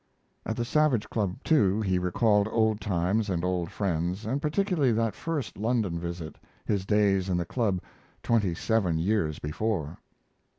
At the Savage Club, too, he recalled old times and old friends, and particularly that first London visit, his days in the club twenty seven years before.